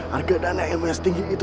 harga dana ilmu yang setinggi itu